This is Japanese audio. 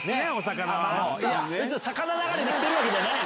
魚流れできてるわけじゃない。